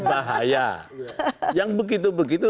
bahaya yang begitu begitu